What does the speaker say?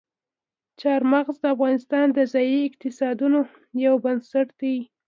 چار مغز د افغانستان د ځایي اقتصادونو یو بنسټ دی.